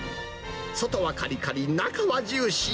外はかりかり、中はジューシー。